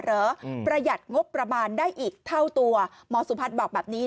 หรือประหยัดงบประมาณได้อีกเท่าตัวหมอสุพัฒน์บอกแบบนี้